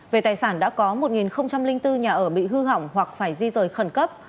về tài sản đã có một bốn nhà ở bị hư hỏng hoặc phải di rời khẩn cấp